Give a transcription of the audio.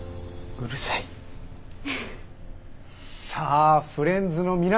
さあフレンズの皆さん